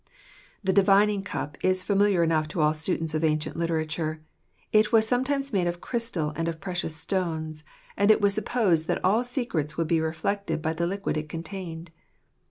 The divining cup is familiar enough to all students of ancient literature. It was sometimes made of crystal and of precious stones; and it was supposed that all secrets would be reflected by the liquid it contained.